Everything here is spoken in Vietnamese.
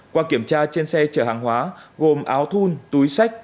qua kiểm tra trên xe chở hàng hóa gồm áo thun túi sách